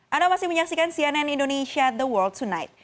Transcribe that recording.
anda masih menyaksikan cnn indonesia the world tonight